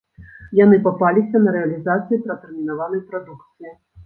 Яны папаліся на рэалізацыі пратэрмінаванай прадукцыі.